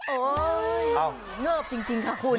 โอ้ยเงิบจริงครับคุณ